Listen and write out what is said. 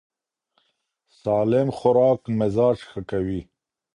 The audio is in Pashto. سالم خوراک مزاج ښه کوي.